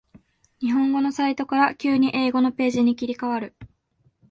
日本語のサイトから急に英語のページに切り替わる